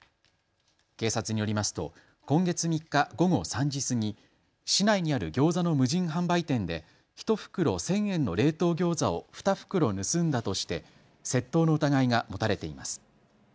警察によりますと今月３日午後３時過ぎ市内にあるギョーザの無人販売店で１袋１０００円の冷凍ギョーザ２袋を盗んだとして窃盗の疑いが持たれています。